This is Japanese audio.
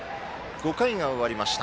５回が終わりました。